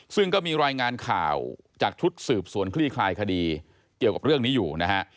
ซึ่งก็มีรายงานข่าวจากชุดสืบสวนคลี่คลายคดีเกี่ยวกับเรื่องนี้อยู่นะฮะ